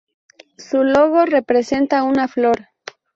Su logo representa una flor.